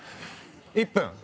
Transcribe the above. １分！